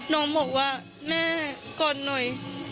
น้องบอกว่าแม่กอดหน่อย